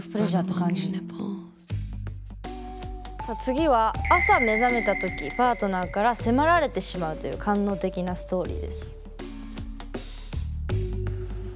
さあ次は朝目覚めた時パートナーから迫られてしまうという官能的なストーリーです。